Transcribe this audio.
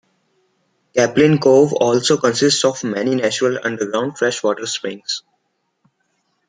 Caplin Cove also consists of many natural underground fresh water springs.